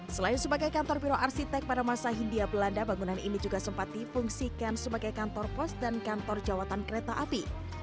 selain sebagai kantor biro arsitek pada masa hindia belanda bangunan ini juga sempat difungsikan sebagai kantor pos dan kantor jawatan kereta api